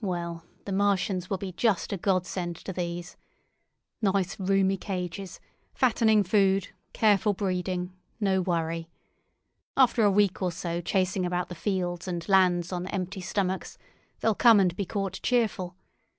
Well, the Martians will just be a godsend to these. Nice roomy cages, fattening food, careful breeding, no worry. After a week or so chasing about the fields and lands on empty stomachs, they'll come and be caught cheerful.